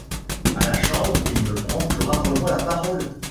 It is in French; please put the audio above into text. À la chambre, il ne prend que rarement la parole.